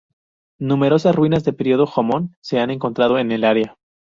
Numerosas ruinas del período Jōmon se han encontrado en el área.